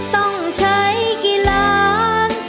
ต้องใช้กี่ล้าน